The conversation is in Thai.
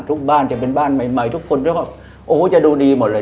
ทุกบ้านจะเป็นบ้านใหม่ทุกคนจะดูดีหมดเลย